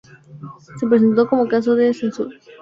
Se presentó como caso de censura y fue condenado como tal.